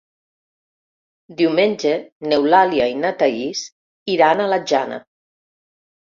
Diumenge n'Eulàlia i na Thaís iran a la Jana.